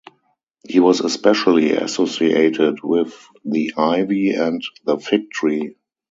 He was especially associated with the ivy and the fig tree.